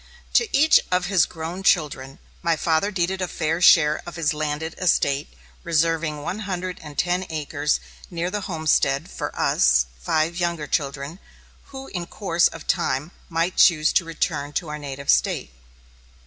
To each of his grown children my father deeded a fair share of his landed estate, reserving one hundred and ten acres near the homestead for us five younger children, who in course of time might choose to return to our native State.